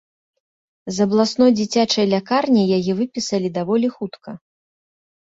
З абласной дзіцячай лякарні яе выпісалі даволі хутка.